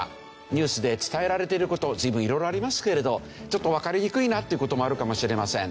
ニュースで伝えられている事随分色々ありますけれどちょっとわかりにくいなという事もあるかもしれません。